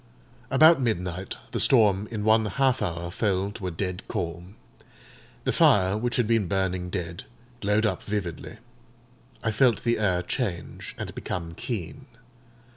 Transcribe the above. About midnight, the storm in one half hour fell to a dead calm. The fire, which had been burning dead, glowed up vividly. I felt the air change, and become keen.